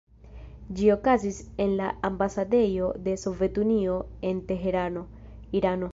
Ĝi okazis en la ambasadejo de Sovetunio en Teherano, Irano.